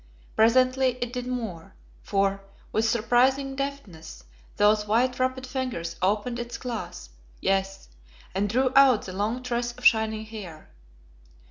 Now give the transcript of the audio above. Presently it did more, for, with surprising deftness those white wrapped fingers opened its clasp, yes, and drew out the long tress of shining hair.